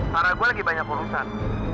karena gue lagi banyak urusan